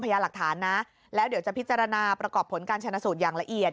พยายามหลักฐานนะแล้วเดี๋ยวจะพิจารณาประกอบผลการชนะสูตรอย่างละเอียด